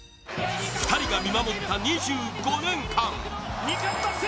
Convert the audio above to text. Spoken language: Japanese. ２人が見守った２５年間。